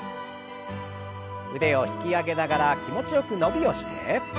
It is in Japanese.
腕を引き上げながら気持ちよく伸びをして。